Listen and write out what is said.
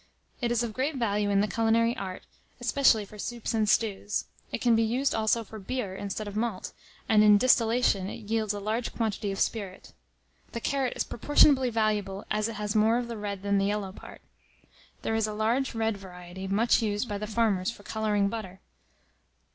It is of great value in the culinary art, especially for soups and stews. It can be used also for beer instead of malt, and, in distillation, it yields a large quantity of spirit. The carrot is proportionably valuable as it has more of the red than the yellow part. There is a large red variety much used by the farmers for colouring butter.